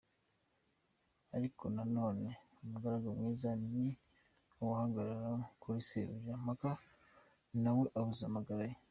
Ariko na none, umugaragu mwiza ni uwahagararaga kuri Sebuja mpaka nawe abuze amagara ye.